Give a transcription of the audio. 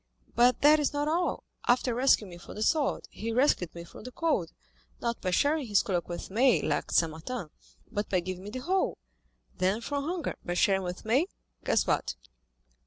But that is not all—after rescuing me from the sword, he rescued me from the cold, not by sharing his cloak with me, like St. Martin, but by giving me the whole; then from hunger by sharing with me—guess what?"